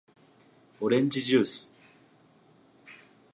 おれんじじゅーす